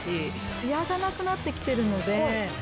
ツヤがなくなってきてるので。